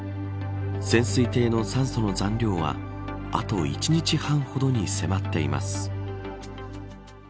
潜水艇の酸素の残量はあと１日半ほどに迫っています。